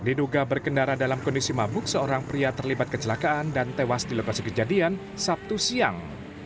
diduga berkendara dalam kondisi mabuk seorang pria terlibat kecelakaan dan tewas di lokasi kejadian sabtu siang